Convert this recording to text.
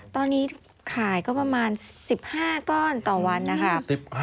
ตอนนี้ขายก็ประมาณ๑๕ก้อนต่อวันนะคะ